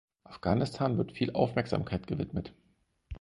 Afghanistan wird viel Aufmerksamkeit gewidmet.